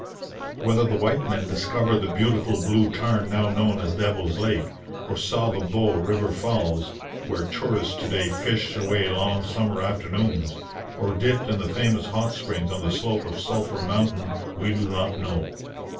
Whether the white men discovered the beautiful blue tarn now known as Devil's Lake, or saw the Bow river falls, where tourists to day fish away long summer afternoons, or dipped in the famous hot springs on the slope of Sulphur mountain, we do not know.